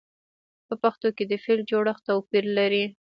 په پښتو کې د فعل جوړښت توپیر لري.